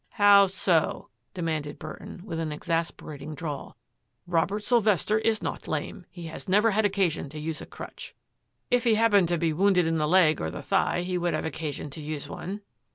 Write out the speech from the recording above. "How so?" demanded Burton, with an exas perating drawl. " Robert Sylvester is not lame. He has never had occasion to use a crutch." " If he happened to be wounded in the leg or the thigh he would have occasion to use one."